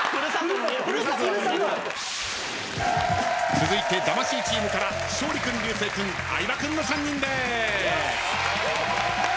続いて魂チームから勝利君流星君相葉君の３人です。